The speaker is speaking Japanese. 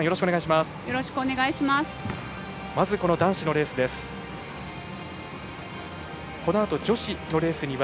まず男子のレースです。